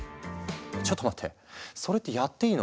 ちょっと待ってそれってやっていいの？